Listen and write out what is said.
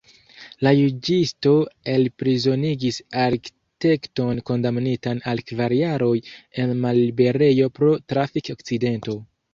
La juĝisto elprizonigis arkitekton kondamnitan al kvar jaroj en malliberejo pro trafik-akcidento.